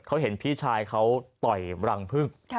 เขาเห็นพี่ชายเขาต่อยรังพึ่ง